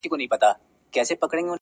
د خیال پر ښار مي لکه ستوری ځلېدلې !